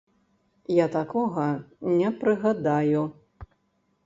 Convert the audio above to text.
Я такога не прыгадаю.